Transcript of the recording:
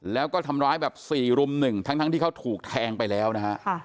แล้วก็ทำร้ายแบบ๔รุม๑ทั้งที่เขาถูกแทงไปแล้วนะฮะ